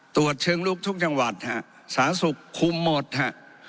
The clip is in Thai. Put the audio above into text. ตรวจเชิงลุกทุกจังหวัดฮะสาธารณสุขคุมหมดฮะ